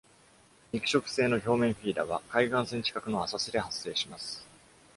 肉食性の表面フィーダーは、海岸線近くの浅瀬で発生します。